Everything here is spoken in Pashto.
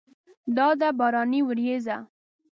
دا ده باراني ورېځه!